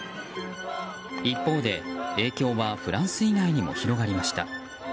一方で、影響はフランス以外にも広がりました。